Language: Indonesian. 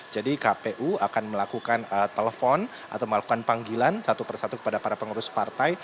jadi kpu akan melakukan telepon atau melakukan panggilan satu persatu kepada para pengurus partai